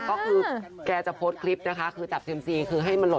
ก็คือแกจะโพสต์คลิปนะคะคือจับเท็มซี